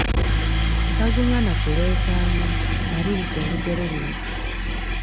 Bagunywa na kuleekaana, maliriza olugero luno.